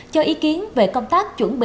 cho ý kiến về công tác chuẩn bị